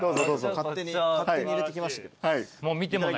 勝手に入れてきました。